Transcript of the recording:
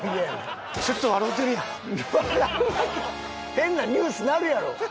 変なニュースになるやろ！